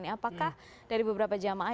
apakah dari beberapa jamaah